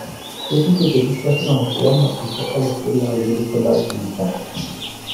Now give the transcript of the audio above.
Ceux-ci s'étaient dispersés dans les fermes lorsqu'ils furent alertés de l'arrivée de soldats républicains.